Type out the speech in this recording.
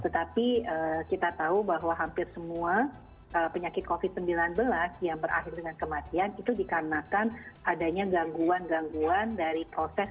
tetapi kita tahu bahwa hampir semua penyakit covid sembilan belas yang berakhir dengan kematian itu dikarenakan adanya gangguan gangguan dari proses